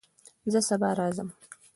زه سبا راځم